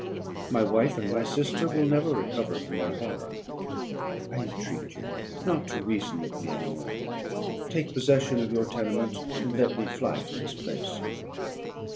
My wife and my sister will never recover their horror. I entreat you not to reason with me any more. Take possession of your tenement, and let me fly from this place.'